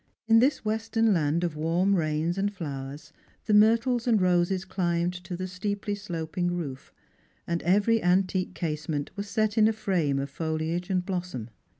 In this western land of warm rains and flowers the myrtles and roses climbed to the steeply sloping roof, and every antique casement was set in a frame of foliage and blossom.